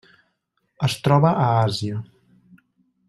Es troba a Àsia.